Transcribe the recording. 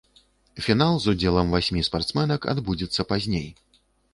Фінал з удзелам васьмі спартсменак адбудзецца пазней.